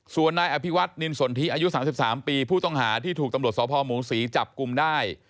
ส่วนนายอภิวัตนินสนทิอายุ๓๓ปีผู้ต้องหาที่ถูกตำรวจสพหมูศรีจับกลุ่มได้